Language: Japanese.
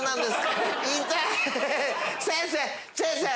先生先生！